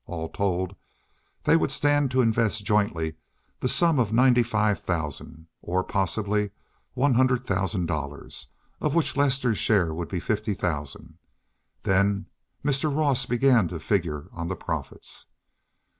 All told, they would stand to invest jointly the sum of ninety five thousand, or possibly one hundred thousand dollars, of which Lester's share would be fifty thousand. Then Mr. Ross began to figure on the profits.